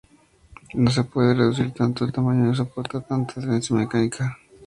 No se puede reducir tanto de tamaño y no soporta tanta tensión mecánica.